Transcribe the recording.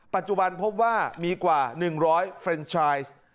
ปัจจุบันพบว่ามีกว่า๑๐๐เฟรนชาย